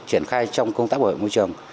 triển khai trong công tác bảo vệ môi trường